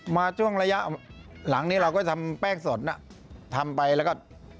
มาช่วงระยะหลังนี้เราก็ทำแป้งสดน่ะทำไปแล้วก็